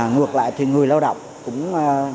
ngược lại thì người lao động cũng